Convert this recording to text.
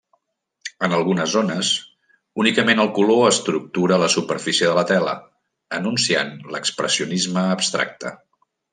En algunes zones, únicament el color estructura la superfície de la tela, anunciant l'expressionisme abstracte.